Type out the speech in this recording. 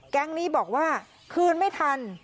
แก๊งนี้บอกว่าคืนไม่ทัน